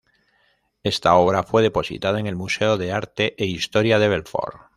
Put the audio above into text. Esta obra fue depositada en el Museo de Arte e Historia de Belfort.